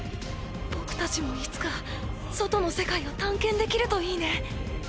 僕たちもいつか外の世界を探検できるといいね。